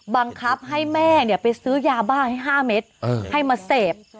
บังคับให้แม่ไปซื้อยาบ้าให้๕เม็ดให้มาเสพ